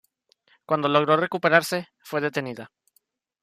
Cuando logró recuperarse, fue detenida.